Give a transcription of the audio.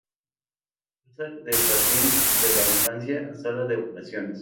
Pasa del jardín de la infancia a la sala de operaciones.